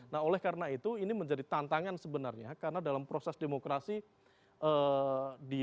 nah oleh karena itu ini menjadi tantangan sebenarnya karena dalam proses demokrasi di dua ribu tujuh belas